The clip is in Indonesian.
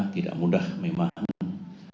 tidak mudah memang